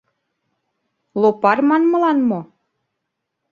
Лопарь манмылан мо?